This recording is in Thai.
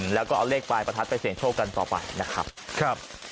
แล้วก็เอาเลขปลายประทัดไปเสี่ยงโชคกันต่อไปนะครับ